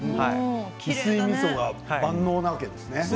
翡翠みそは万能なわけですね。